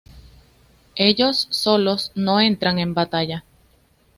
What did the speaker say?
Ellos solos no entran en batalla.